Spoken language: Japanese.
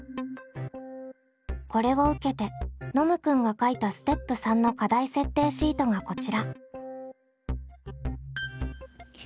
これを受けてノムくんが書いたステップ３の課題設定シートがこちら。